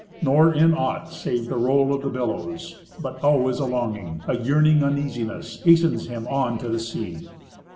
Nor in aught save the roll of the billows; but always a longing, A yearning uneasiness, hastens him on to the sea.